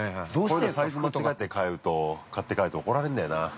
サイズ間違って買って帰ると怒られるんだよな。